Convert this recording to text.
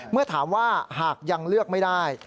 เมื่อถามว่าหากยังเลือกไม่ได้